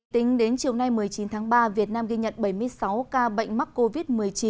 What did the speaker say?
tính đến chiều nay một mươi chín tháng ba việt nam ghi nhận bảy mươi sáu ca bệnh mắc covid một mươi chín